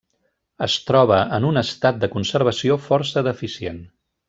Es troba en un estat de conservació força deficient.